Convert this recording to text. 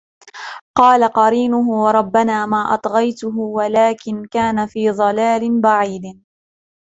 قال قرينه ربنا ما أطغيته ولكن كان في ضلال بعيد